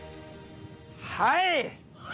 はい！